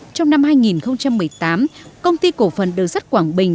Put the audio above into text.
trong năm hai nghìn một mươi tám công ty cổ phần đường sắt quảng bình